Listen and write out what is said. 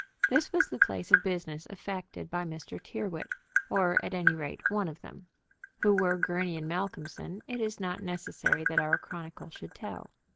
This was the place of business affected by Mr. Tyrrwhit, or at any rate one of them. Who were Gurney & Malcolmson it is not necessary that our chronicle should tell.